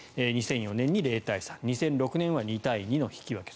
２００４年に０対３２００６年には２対２で引き分け。